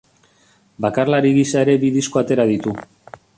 Bakarlari gisa ere bi disko atera ditu.